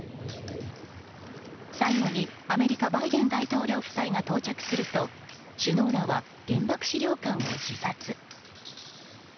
最後にアメリカバイデン大統領夫妻が到着すると首脳らは原爆資料館を視察。